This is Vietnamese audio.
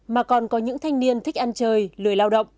mà còn có những thanh niên thích ăn chơi lười lao động